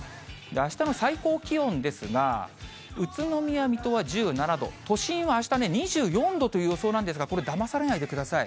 あしたの最高気温ですが、宇都宮、水戸は１７度、都心はあした２４度という予想なんですが、これ、だまされないでください。